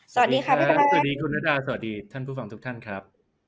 สวัสดีครับสวัสดีคุณระดาสวัสดีท่านผู้ฟังทุกท่านครับ